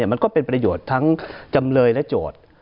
มันก็เป็นประโยชน์ทั้งจำเลยและโจทย์